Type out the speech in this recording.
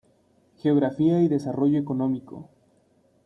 Geografía y desarrollo económico.